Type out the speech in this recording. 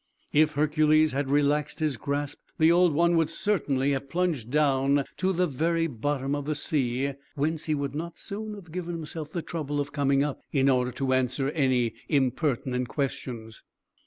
If Hercules had relaxed his grasp, the Old One would certainly have plunged down to the very bottom of the sea, whence he would not soon have given himself the trouble of coming up, in order to answer any impertinent questions.